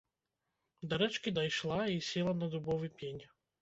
Да рэчкі дайшла і села на дубовы пень.